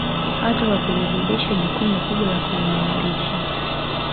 Hata kwa kulibebesha jukumu kubwa la kujiimarisha